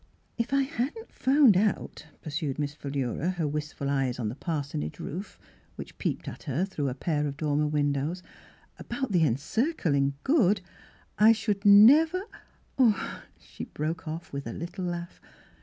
" If I hadn't found out," pursued Miss Philura, her wistful eyes on the parsonage roof, which peeped at her through a pair of dormer windows, " about the Encir cling Good, I should never —" She broke off with a little laugh.